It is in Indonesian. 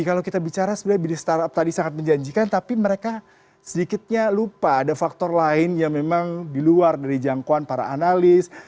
kalau kita bicara sebenarnya bisnis startup tadi sangat menjanjikan tapi mereka sedikitnya lupa ada faktor lain yang memang di luar dari jangkauan para analis